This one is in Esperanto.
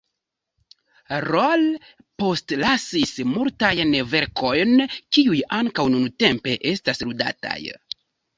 Rolle postlasis multajn verkojn, kiuj ankaŭ nuntempe estas ludataj.